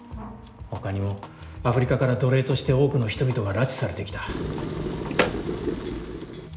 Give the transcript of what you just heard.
他にもアフリカから奴隷として多くの人々が拉致されてきた。